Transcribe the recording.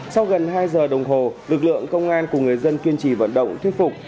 sau gần hai giờ đồng hồ lực lượng công an cùng người dân kiên trì vận động thuyết phục